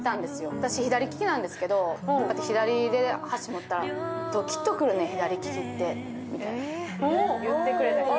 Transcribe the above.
私、左利きなんですけど、左で箸持ったら、「ドキッとくるね、左利きって」って言ってくれた人。